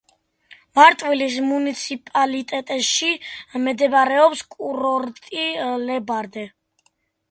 მარტვილის მუნიციპალიტეტში მდებარეობს კურორტი „ლებარდე“.